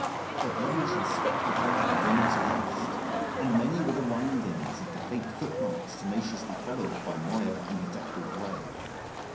Their branches swept the ground and interlaced; and many were the windings of the faint footmarks tenaciously followed by Moya and the dapple grey.